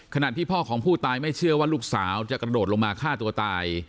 ที่พ่อของผู้ตายไม่เชื่อว่าลูกสาวจะกระโดดลงมาฆ่าตัวตาย